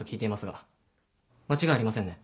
間違いありませんね？